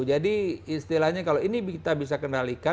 istilahnya kalau ini kita bisa kendalikan